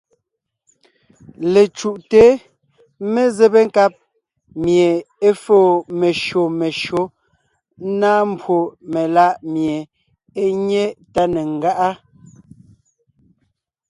Lecǔʼte mezébé nkáb mie é fóo meshÿó meshÿó, ńnáa mbwó meláʼ mie é nyé tá ne ńgáʼa.